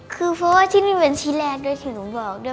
คือเพราะว่าที่นี่เป็นที่แรกเลยถึงหนูบอกเลย